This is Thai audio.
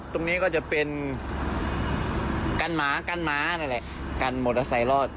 ตรงนี้ก็จะเป็นกันหมากันมอเตอร์ไซค์รอด